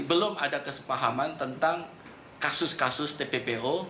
belum ada kesepahaman tentang kasus kasus tppo